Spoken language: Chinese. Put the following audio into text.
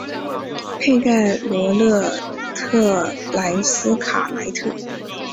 佩盖罗勒德莱斯卡莱特。